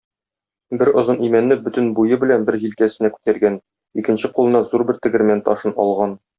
Бер озын имәнне бөтен буе белән бер җилкәсенә күтәргән, икенче кулына зур бер тегермән ташын алган.